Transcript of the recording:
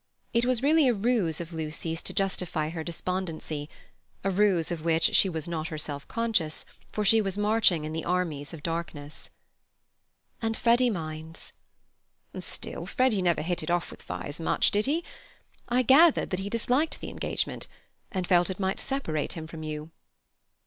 It was really a ruse of Lucy's to justify her despondency—a ruse of which she was not herself conscious, for she was marching in the armies of darkness. "And Freddy minds." "Still, Freddy never hit it off with Vyse much, did he? I gathered that he disliked the engagement, and felt it might separate him from you."